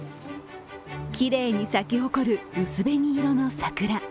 きれいに咲き誇る薄紅色の桜。